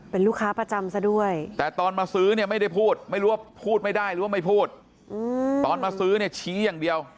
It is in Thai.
เป็นลูกค้าประจำซะด้วยแต่ตอนมาซื้อเนี่ยไม่ได้พูดไม่รู้ว่าพูดไม่ได้หรือว่าไม่พูดตอนมาซื้อเนี่ยชี้อย่างเดียว